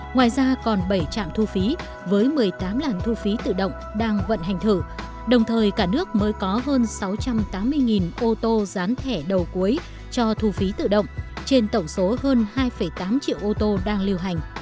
ngoài ra còn bảy trạm thu phí với một mươi tám làn thu phí tự động đang vận hành thử đồng thời cả nước mới có hơn sáu trăm tám mươi ô tô dán thẻ đầu cuối cho thu phí tự động trên tổng số hơn hai tám triệu ô tô đang liều hành